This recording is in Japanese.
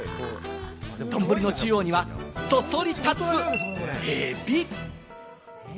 丼の中央にはそそり立つエビ。